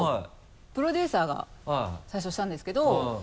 プロデューサーが最初推したんですけど。